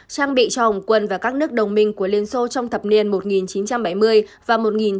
trang bị cho ổng quân và các nước đồng minh của liên xô trong thập niên một nghìn chín trăm bảy mươi và một nghìn chín trăm tám mươi